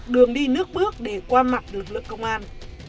đường đi nước bước để qua mặt lực lượng công an